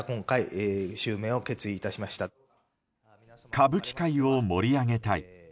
歌舞伎界を盛り上げたい。